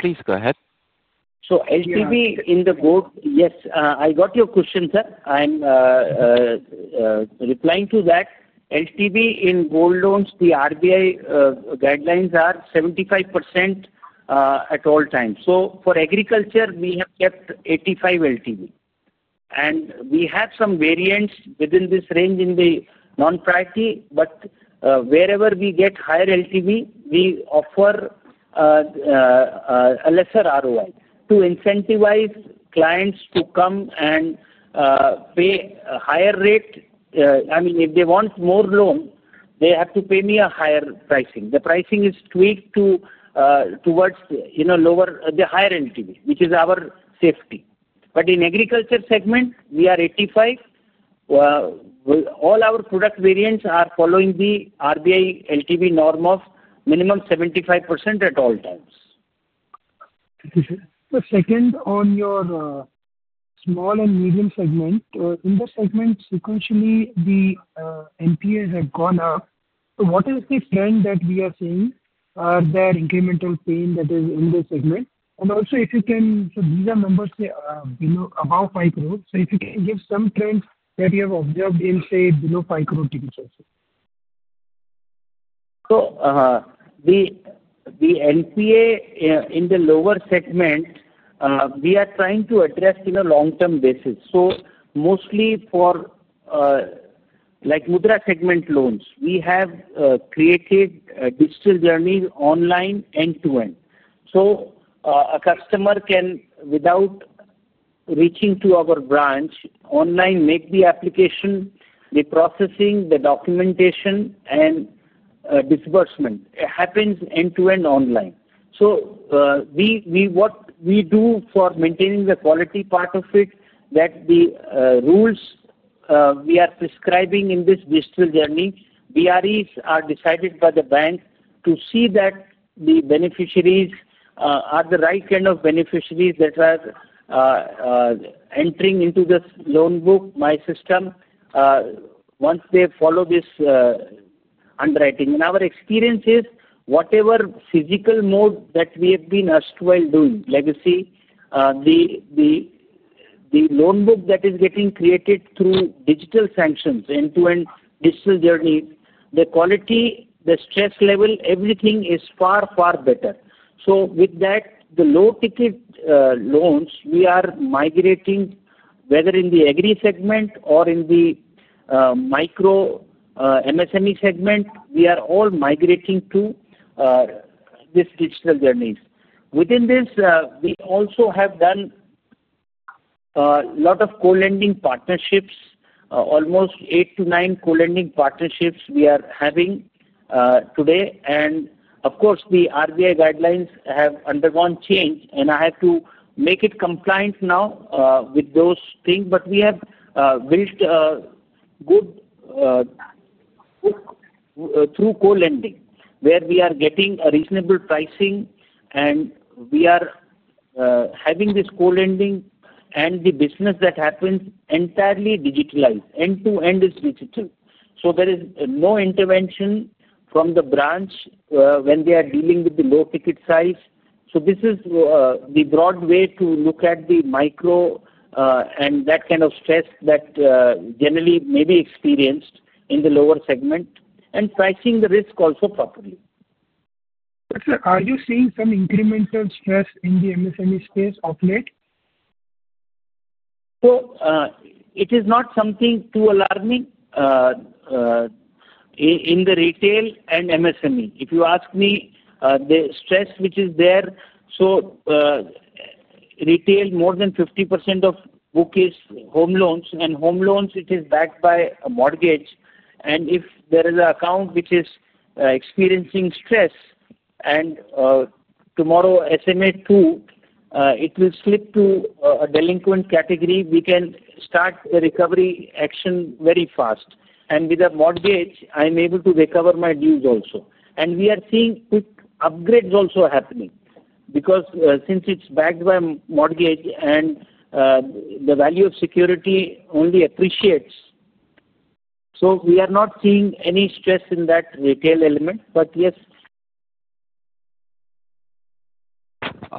Please go ahead. LGB in the board. Yes, I got your question sir. I'm replying to that. LTV in gold loans, the RBI guidelines are 75% at all times. For agriculture, we have kept 85% LTV and we have some variants within this range in the non-priority. Wherever we get higher LTV, we offer a lesser ROI to incentivize clients to come and pay a higher rate. I mean, if they want more loan, they have to pay me a higher pricing. The pricing is tweaked towards, you know, lower the higher LTV, which is our safety. In the agriculture segment, we are 85%. All our product variants are following the RBI LTV norm of minimum 75% at all times. The second on your small and medium segment. In the segment, sequentially, the NPAs have gone up. What is the trend that we are seeing? Are there incremental pain that is in this segment? Also, if you can, these are numbers above 5 crore. If you can give some trends that you have observed in, say, below 5 crore tickets also. The NPA in the lower segment we are trying to address on a long-term basis. Mostly for like Mudra segment loans, we have created digital journeys online end to end. A customer can, without reaching to our branch, online make the application, the processing, the documentation, and disbursement happens end to end online. What we do for maintaining the quality part of it is that the rules we are prescribing in this digital journey, bres are decided by the bank to see that the beneficiaries are the right kind of beneficiaries that are entering into this loan book. My system, once they follow this underwriting, our experience is whatever physical mode that we have been asked while doing legacy, the loan book that is getting created through digital sanctions, end to end digital journey, the quality, the stress level, everything is far, far better. With that, the low ticket loans we are migrating, whether in the agri segment or in the micro MSME segment, we are all migrating to these digital journeys. Within this, we also have done a lot of co-lending partnerships. Almost eight to nine co-lending partnerships we are having today. Of course, the RBI guidelines have undergone change and I have to make it compliant now with those things. We have built a good. Through. Co-lending where we are getting a reasonable pricing and we are having this co-lending and the business that happens entirely digitalized end to end is which itself. There is no intervention from the branch when they are dealing with the low ticket size. This is the broad way to look at the micro and that kind of stress that generally may be experienced in the lower segment and pricing the risk also properly. Are you seeing some incremental stress in the MSME space of late? It is not something too alarming in the retail and MSME if you ask me the stress which is there. Retail more than 50% of book is home loans and home loans it is backed by a mortgage. If there is an account which is experiencing stress and tomorrow SMA2 it will slip to a delinquent category. We can start the recovery action very fast. With a mortgage I am able to recover my dues also. We are seeing quick upgrades also happening, because since it's backed by mortgage and the value of security only appreciates. We are not seeing any stress in that retail element. Yes.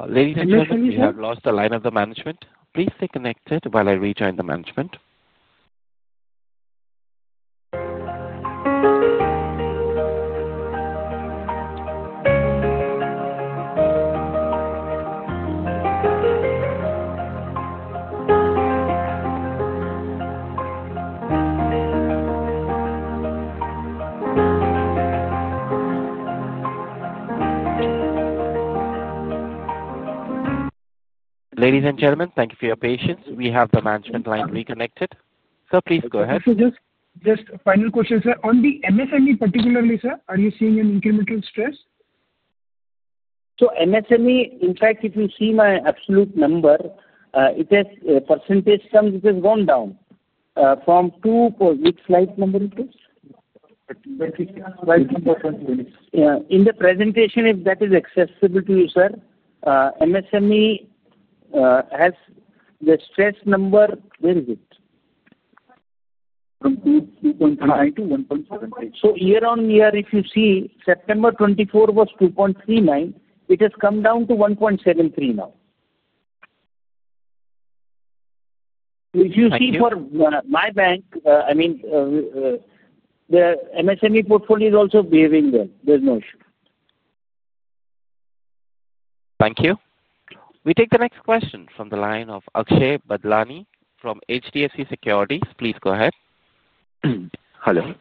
Ladies and gentlemen, you have lost the line of the management. Please stay connected while I rejoin the management. Ladies and gentlemen, thank you for your patience. We have the management line reconnected, sir. Please go ahead. Just final question sir. On the MSME particularly sir, are you seeing an incremental stress? MSME in fact if you see my absolute number, in percentage terms it has gone down from 2. For which slide number it is. Yeah. In the presentation. If that is accessible to you, sir, MSME has the stress number. Where is it? Year on year, if you see September 2024 was 2.39%. It has come down to 1.73%. Now if you see for my bank, I mean the MSME portfolio is also behaving well. There's no issue. Thank you. We take the next question from the line of Akshay Badlani from HDFC Securities. Please go ahead. Hello.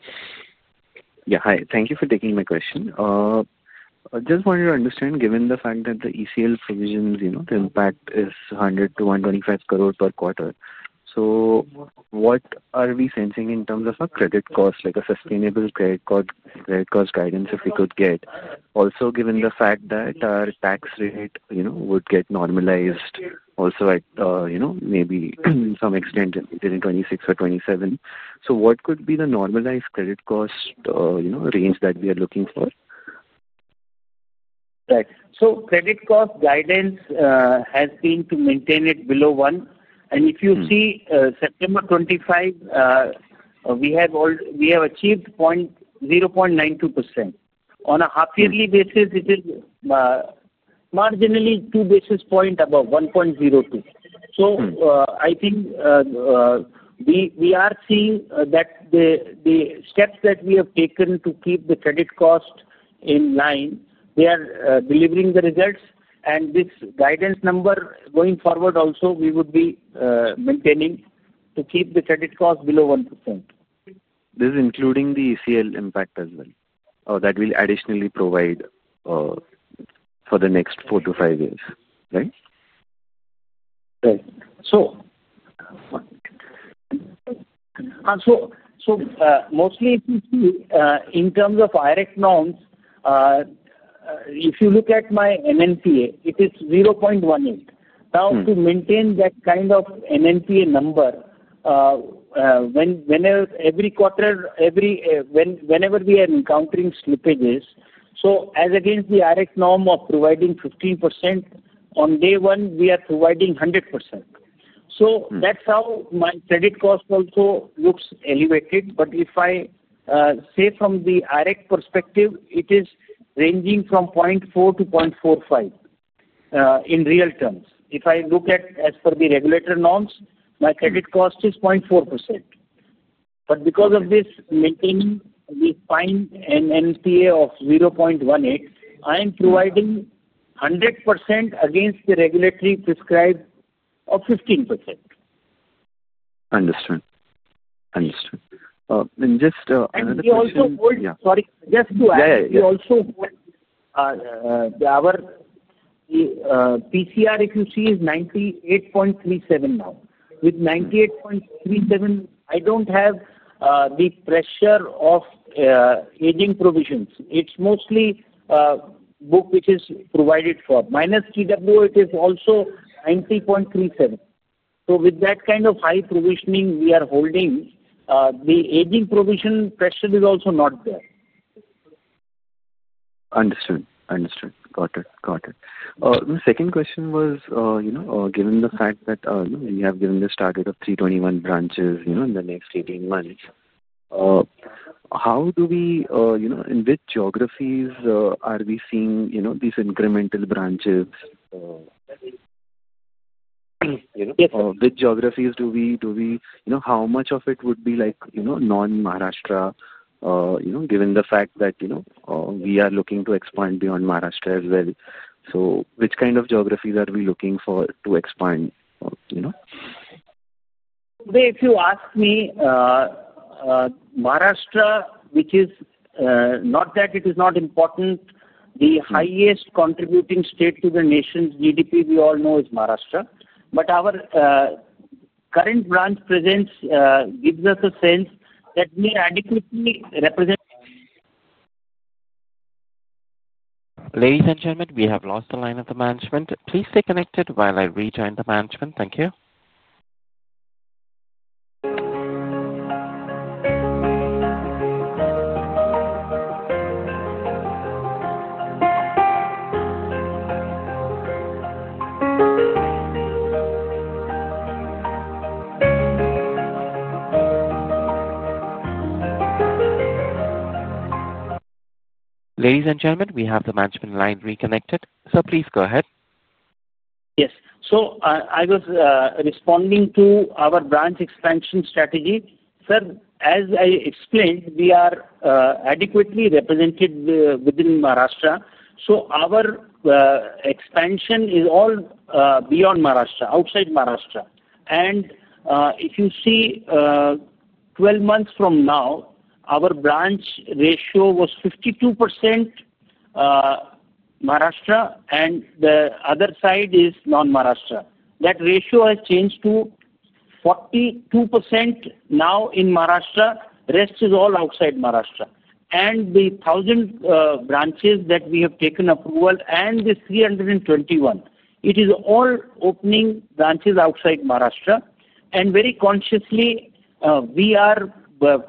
Yeah, hi. Thank you for taking my question. Just wanted to understand, given the fact that the ECL provisions, the impact is 100 to 125 crore per quarter, what are we sensing in terms of a credit cost, like a sustainable credit cost guidance, if we could get? Also, given the fact that our tax rate would get normalized also at maybe some extent during 2026 or 2027, what could be the normalized credit cost range that we are looking for? Right. Credit cost guidance has been to maintain it below 1%. If you see September 2025, we have achieved 0.92% on a half yearly basis. It is marginally 2 basis points above 1.02%. I think we are seeing that the steps that we have taken to keep the credit cost in line are delivering the results, and this guidance number going forward also we would be maintaining to keep the credit cost below 1%. This is including the ECL impact as well that we'll additionally provide for the next four to five years. Right? Right. So. Mostly in terms of IRAC norms, if you look at my net NPA, it is 0.18%. Now, to maintain that kind of net NPA number whenever, every quarter, whenever we are encountering slippages. As against the IRAC norm of providing 15% on day one, we are providing 100%. That's how my credit cost also looks elevated. If I say from the IRAC perspective, it is ranging from 0.4% to 0.45%. In real terms, if I look at as per the regulator norms, my credit cost is 0.4%. Because of this maintaining, we find a net NPA of 0.18%. I am providing 100% against the regulatory prescribed of 15%. Understood? Understood. Sorry, just to add, provision coverage ratio if you see is 98.37%. Now with 98.37% I don't have the pressure of aging provisions. It's mostly book which is provided for. It is also 90.37%. With that kind of high provisioning, we are holding, the aging provision pressure is also not there. Understood. Got it. The second question was, you know, given the fact that you have given the start date of 321 branches, you know. In the next 18 months, how do we, you know, in which. Which geographies are we seeing these incremental branches? Which geographies do we, you know, how much of it would be, like, non-Maharashtra, given the fact that we are looking to expand beyond Maharashtra as well? Which kind of geographies are we looking for to expand? If you ask me, Maharashtra, which is not that it is not important. The highest contributing state to the nation's GDP, we all know, is Maharashtra. Our current branch presence gives us a sense that may adequately represent. Ladies and gentlemen, we have lost the line of the management. Please stay connected while I rejoin the management. Thank you. Ladies and gentlemen, we have the management line reconnected. Please go ahead. Yes. I was responding to our branch expansion strategy, sir. As I explained, we are adequately represented within Maharashtra. Our expansion is all beyond Maharashtra, outside Maharashtra. If you see, 12 months from now, our branch ratio was 52% Maharashtra. The other side is non Maharashtra. That ratio has changed to 42% now in Maharashtra. Rest is all outside Maharashtra. The thousand branches that we have taken approval and the 321, it is all opening branches outside Maharashtra. Very consciously we are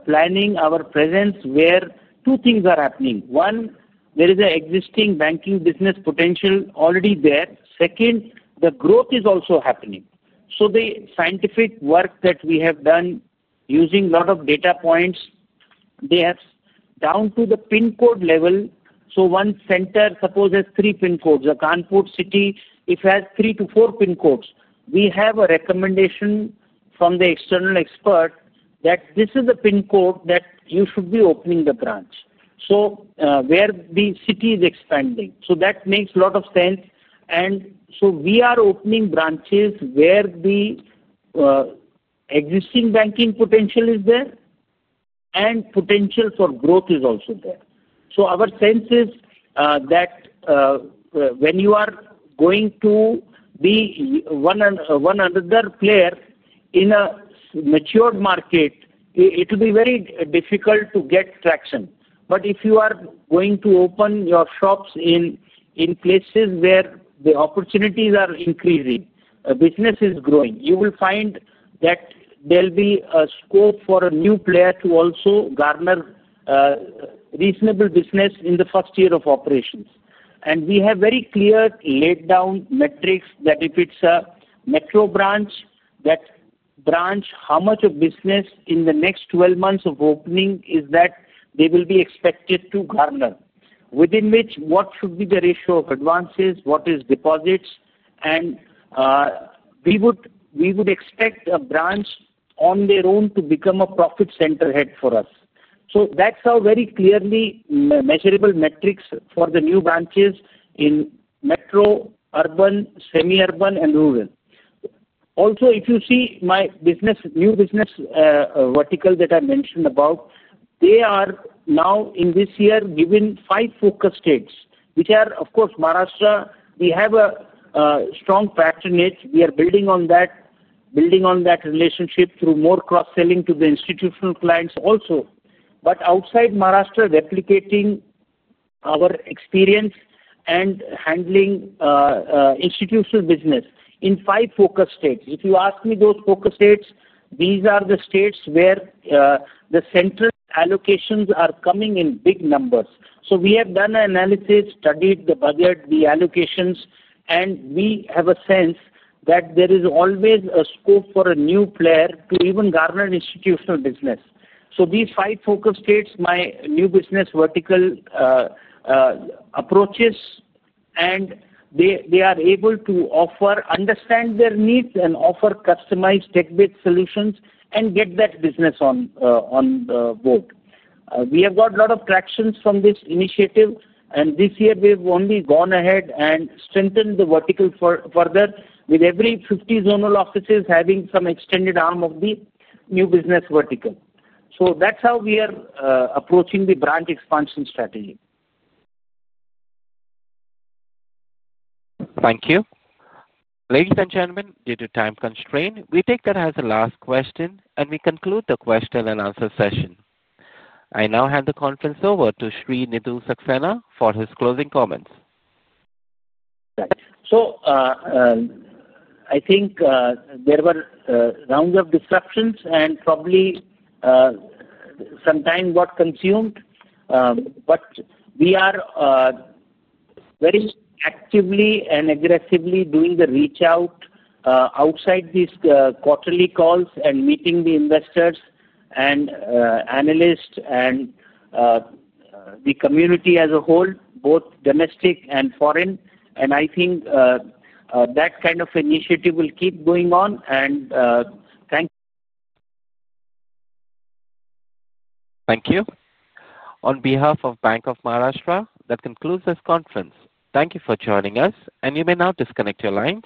planning our presence where two things are happening. One, there is an existing banking business potential already there. Second, the growth is also happening. The scientific work that we have done using a lot of data points, they have down to the pin code level. One center suppose has three PIN codes. A Kanpur city if has three to four pin codes, we have a recommendation from the external expert that this is a pin code that you should be opening the branch, where the city is expanding. That makes a lot of sense. We are opening branches where the existing banking potential is there and potential for growth is also there. Our sense is that when you are going to be one another player in a matured market, it will be very difficult to get traction. If you are going to open your shops in places where the opportunities are increasing, business is growing, you will find that there'll be a scope for a new player to also garner reasonable business in the first year of operations. We have very clear laid down metrics that if it's a Metro branch, that branch, how much of business in the next 12 months of opening is that they will be expected to garner? Within which what should be the ratio of advances, what is deposits. We would expect a branch on their own to become a profit center head for us. That's how very clearly measurable metrics for the new branches in metro, urban, semi urban and rural also. If you see my business new business vertical that I mentioned about, they are now in this year given five focus states which are of course Maharashtra, we have a strong patronage, we are building on that, building on that relationship through more cross selling to the institutional clients also. Outside Maharashtra, replicating our experience and handling institutional business in five focus states. If you ask me, those focus states, these are the states where the central allocations are coming in big numbers. We have done analysis, studied the budget, the allocations, and we have a sense that there is always a scope for a new player to even garner institutional business. These five focus states, my new business vertical approaches, and they are able to offer, understand their needs, and offer customized tech-based solutions and get that business on board. We have got a lot of traction from this initiative. This year we've only gone ahead and strengthened the vertical further with every 50 zonal offices having some extended arm of the new business vertical. That's how we are approaching the branch expansion strategy. Thank you, ladies and gentlemen. Due to time constraint, we take that as the last question and we conclude the question and answer session. I now hand the conference over to Shri Nidhu Saxena for his closing comments. I think there were rounds of disruptions and probably some time got consumed. We are very actively and aggressively doing the reach out outside these quarterly calls and meeting the investors and analysts and the community as a whole, both domestic and foreign. I think that kind of initiative will keep going on. Thank you. Thank you on behalf of Bank of Maharashtra. That concludes this conference. Thank you for joining us. You may now disconnect your lines.